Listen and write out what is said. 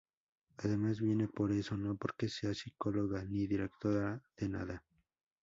Además vine por eso, no porque sea psicóloga ni directora de nada.